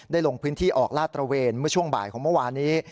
ลงพื้นที่ออกลาดตระเวนเมื่อช่วงบ่ายของเมื่อวานนี้